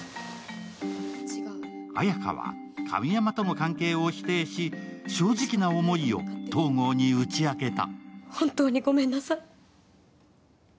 綾華は神山との関係を否定し、正直な思いを東郷に打ち明けた。